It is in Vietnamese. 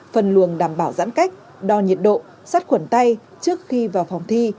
phân luồng đảm bảo giãn cách đo nhiệt độ sắt khuẩn tay trước khi vào phòng thi